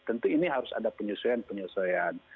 tentu ini harus ada penyesuaian penyesuaian